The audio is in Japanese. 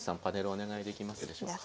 お願いできますでしょうか。